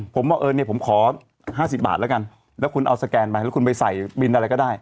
ผมว่าเออเนี่ยผมขอ๕๐บาทแล้วกันแล้วคุณเอาสแกนไปแล้วคุณไปใส่บินอะไรก็ได้